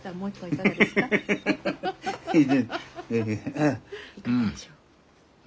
いかがでしょう？